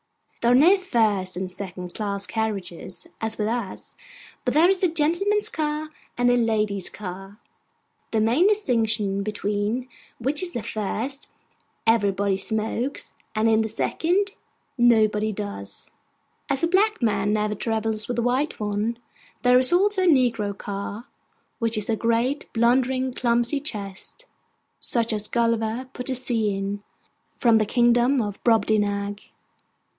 There are no first and second class carriages as with us; but there is a gentleman's car and a ladies' car: the main distinction between which is that in the first, everybody smokes; and in the second, nobody does. As a black man never travels with a white one, there is also a negro car; which is a great, blundering, clumsy chest, such as Gulliver put to sea in, from the kingdom of Brobdingnag.